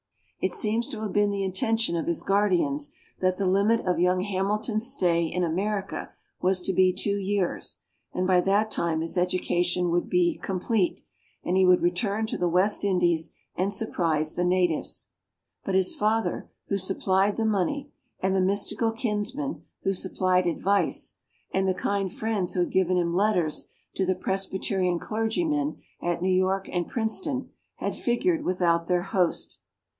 It seems to have been the intention of his guardians that the limit of young Hamilton's stay in America was to be two years, and by that time his education would be "complete," and he would return to the West Indies and surprise the natives. But his father, who supplied the money, and the mystical kinsmen who supplied advice, and the kind friends who had given him letters to the Presbyterian clergymen at New York and Princeton, had figured without their host.